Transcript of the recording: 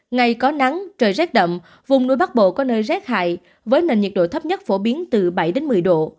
ngày có nắng trời rét đậm vùng núi bắc bộ có nơi rét hại với nền nhiệt độ thấp nhất phổ biến từ bảy một mươi độ